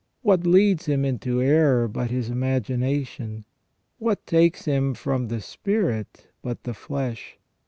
What leads him into error but his imagination? What takes him from the spirit but the flesh